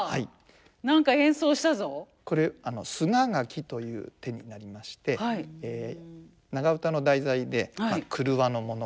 これ「すががき」という手になりまして長唄の題材で廓のもの